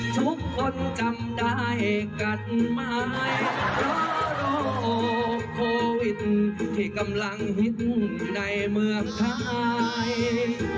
ทุกคนจำได้กันไหมเพราะโรคโควิดที่กำลังฮิตในเมืองไทย